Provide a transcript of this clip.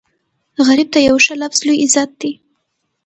غریب ته یو ښه لفظ لوی عزت وي